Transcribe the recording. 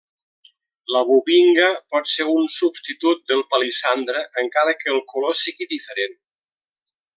La Bubinga pot ser un substitut del palissandre encara que el color sigui diferent.